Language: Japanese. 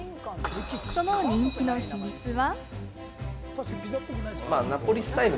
その人気の秘密は。